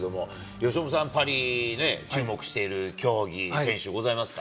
由伸さん、パリね、注目している競技、選手、ございますか。